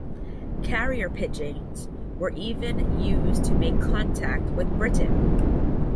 Carrier pigeons were even used to make contact with Britain.